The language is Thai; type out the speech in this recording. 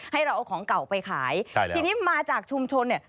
ให้เราเอาของเก่าไปขายทีนี้มาจากชุมชนใช่แล้ว